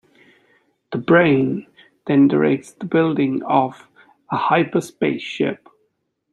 "The Brain" then directs the building of a hyperspace ship.